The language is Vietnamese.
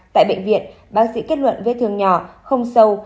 tại bệnh viện bác sĩ kết luận vết thương nhỏ không sâu